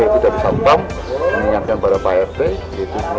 yaitu dari sabuk bomb mengingatkan para prt